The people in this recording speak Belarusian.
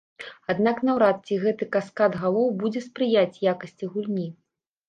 Аднак наўрад ці гэты каскад галоў будзе спрыяць якасці гульні.